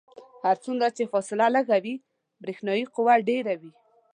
هر څومره چې فاصله لږه وي برېښنايي قوه ډیره وي.